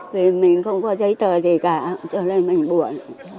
vì mình không có giấy tờ gì cả cho nên mình buồn